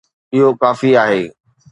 اهو ڪافي آهي.